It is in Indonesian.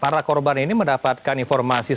pemerintah yang berubah ini mendapatkan informasi